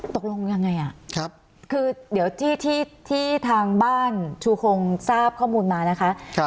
ตกลงยังไงคือเดี๋ยวที่ทางบ้านชูคงทราบข้อมูลมานะคะ